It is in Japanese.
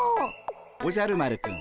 おじゃる丸くん